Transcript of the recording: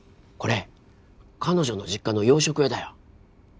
これ彼女の実家の洋食屋だよ。